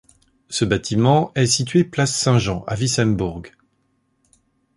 Ce bâtiment est situé place Saint-Jean à Wissembourg.